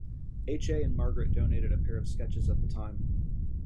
H. A. and Margret donated a pair of sketches at the time.